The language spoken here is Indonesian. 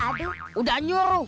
aduh udah nyuruh